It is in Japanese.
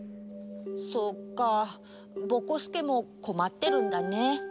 そっかぼこすけもこまってるんだね。